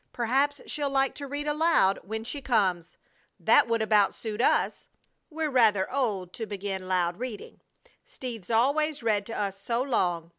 Perhaps she'll like to read aloud when she comes! That would about suit us. We're rather old to begin loud reading, Steve's always read to us so long.